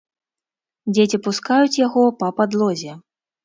Дзеці пускаюць яго па падлозе.